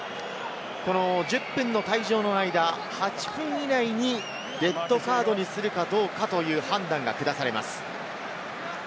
１０分の退場の間、８分以内にレッドカードにするかどうかという判断がくだされます。